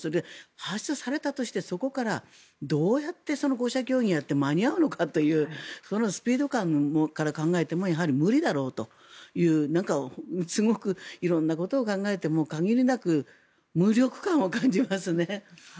発出されたとしてそこからどうやって５者協議をやって間に合うのかというそのスピード感から考えても無理だろうというなんかすごく色んなことを考えても限りなく無力感を感じますね。